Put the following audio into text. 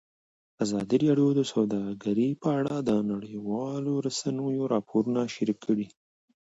ازادي راډیو د سوداګري په اړه د نړیوالو رسنیو راپورونه شریک کړي.